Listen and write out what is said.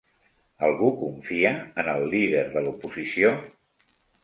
Algú confia en el líder de l'oposició?